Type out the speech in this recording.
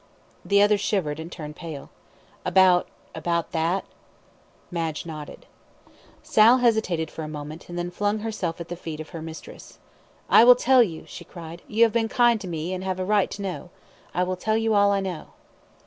The other shivered and turned pale. "About about that?" Madge nodded. Sal hesitated for a moment, and then flung herself at the feet of her mistress. "I will tell you," she cried. "You have been kind to me, an' have a right to know. I will tell you all I know."